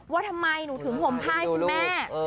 ว่าทำไมหนูถึงห่มผ้าให้คุณแม่